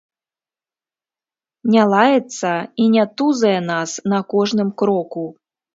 Не лаецца і не тузае нас на кожным кроку.